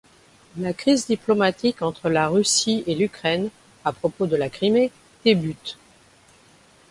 La crise diplomatique entre la Russie et l'Ukraine à propos de la Crimée débute.